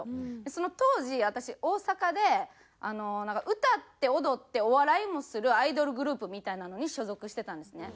その当時私大阪であのなんか歌って踊ってお笑いもするアイドルグループみたいなのに所属してたんですね。